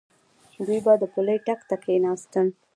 دوی به د پولۍ ټک ته کېناستل.